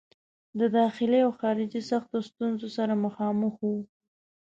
د داخلي او خارجي سختو ستونزو سره مخامخ وو.